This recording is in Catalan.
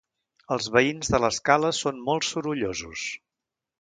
Els veïns de l'escala són molt sorollosos